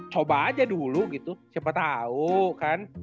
coba aja dulu gitu siapa tahu kan